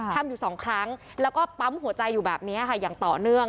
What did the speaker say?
ทำอยู่๒ครั้งแล้วก็ปั๊มหัวใจอยู่แบบนี้ค่ะอย่างต่อเนื่อง